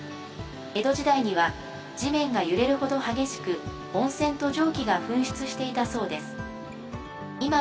江戸時代には地面が揺れるほど激しく温泉と蒸気が噴出していたそうです。